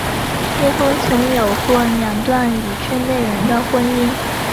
叶枫曾有过两段与圈内人的婚姻。